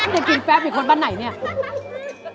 ใครกินแฟลปกันบ้านไหนนี่